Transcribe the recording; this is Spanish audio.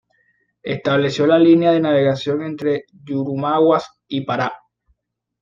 Estableció la línea de navegación entre Yurimaguas y Pará.